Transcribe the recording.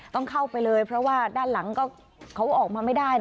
ต้องเข้าไปเลยเพราะว่าด้านหลังก็เขาออกมาไม่ได้